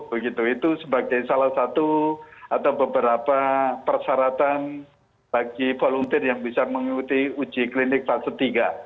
begitu itu sebagai salah satu atau beberapa persyaratan bagi volunteer yang bisa mengikuti uji klinik fase tiga